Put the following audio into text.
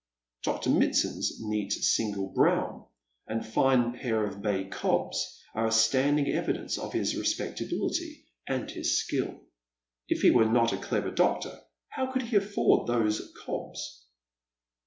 Dr. Mitsand's neat single brougham and fine pair of bay cobs are a standing evidence of his respectability and hia skill. If he were not a clever doctor how could he afford thoso cobs